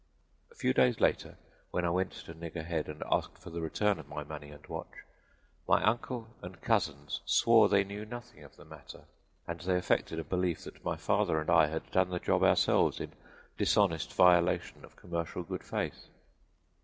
A few days later, when I went to Nigger Head and asked for the return of my money and watch my uncle and cousins swore they knew nothing of the matter, and they affected a belief that my father and I had done the job ourselves in dishonest violation of commercial good faith.